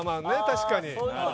確かにあ